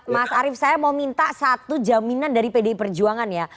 mas arief saya mau minta satu jaminan dari pdi perjuangan ya